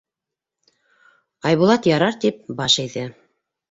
Айбулат, ярар тип, баш эйҙе.